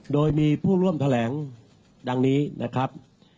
โดยมีผู้ร่วมแถลงดังนี้นะครับ